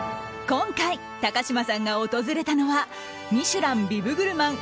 今回、高嶋さんが訪れたのは「ミシュラン」ビブグルマン